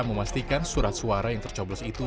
memastikan surat suara yang tercoblos itu